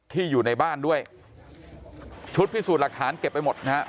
อยู่ในบ้านด้วยชุดพิสูจน์หลักฐานเก็บไปหมดนะฮะ